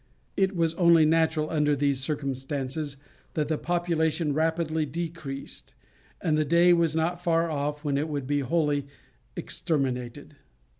It was only natural under these circumstances that the population rapidly decreased, and the day was not far off when it would be wholly exterminated.